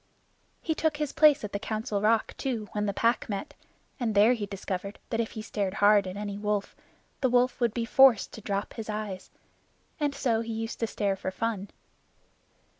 He took his place at the Council Rock, too, when the Pack met, and there he discovered that if he stared hard at any wolf, the wolf would be forced to drop his eyes, and so he used to stare for fun.